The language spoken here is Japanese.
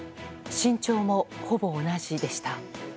身長もほぼ同じでした。